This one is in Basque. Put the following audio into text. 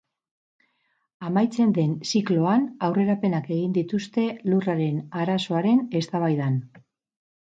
Amaitzen den zikloan aurrerapenak egin dituzte lurraren arazoaren eztabaidan.